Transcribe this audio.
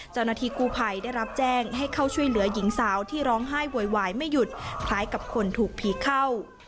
เจ้าหน้าที่กู้ภัยได้รับแจ้งให้เข้าช่วยเหลือหญิงสาวที่ร้องไห้โวยวายไม่หยุดคล้ายกับคนถูกผีเข้า